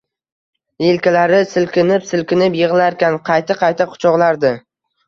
Yelkalari silkinib-silkinib yig‘larkan, qayta-qayta quchoqlardi...